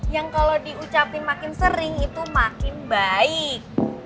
yang kalau diucapin makin sering itu makin baik